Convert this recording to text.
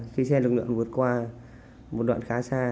khi xe lực lượng vượt qua một đoạn khá xa